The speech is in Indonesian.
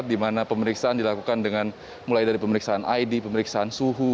di mana pemeriksaan dilakukan dengan mulai dari pemeriksaan id pemeriksaan suhu